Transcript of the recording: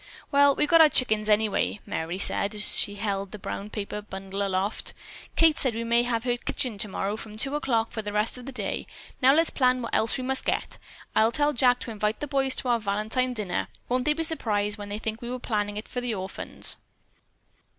"Well, we've got our chickens anyway," Merry said as she held the brown paper bundle aloft. "Kate said we may have her kitchen tomorrow from two o'clock on for the rest of the day. Now let's plan what else we must get. I'll tell Jack to invite the boys to our Valentine dinner. Won't they be surprised when they think we were planning it for the orphans?"